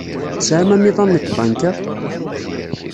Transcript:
Tesɛam amiḍan n tbanka?